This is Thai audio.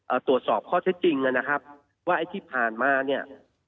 ตรวจสอบข้อเท็จจริงนะครับว่าไอ้ที่ผ่านมาเนี้ย